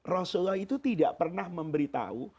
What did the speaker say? rasulullah itu tidak pernah memberitahu